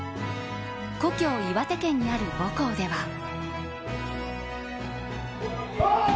故郷、岩手県にある母校では。